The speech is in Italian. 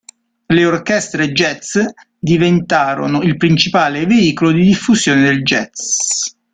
Le orchestre jazz diventarono il principale veicolo di diffusione del jazz.